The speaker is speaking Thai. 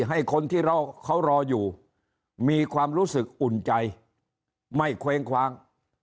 ให้คนที่เขารออยู่มีความรู้สึกอุ่นใจไม่เคว้งคว้าง